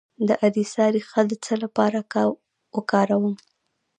د اریسا ریښه د څه لپاره وکاروم؟